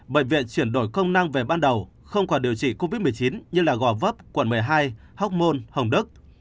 bệnh viện chuyển đổi công năng về ban đầu không còn điều trị covid một mươi chín như là gò vấp quần một mươi hai hốc môn hồng đất